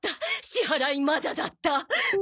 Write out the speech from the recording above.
支払いまだだった！